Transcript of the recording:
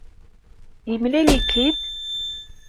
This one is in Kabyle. Yemlal-ik-id?